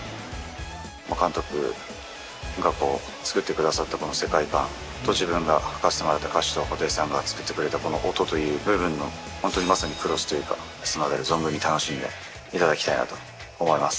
監督が作ってくださったこの世界観と自分が書かせてもらった歌詞と、布袋さんが作ってくれたこの音という部分の、本当にまさにＣｒｏｓｓというか、存分に楽しんでいただきたいなと思います。